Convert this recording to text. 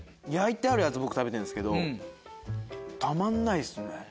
焼いてあるやつ僕食べてるんですけどたまんないですね